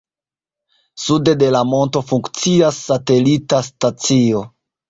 Sude de la monto funkcias satelita stacio.